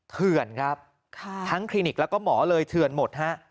เถื่อนครับทั้งคลินิกแล้วก็หมอเลยเถื่อนหมดฮะ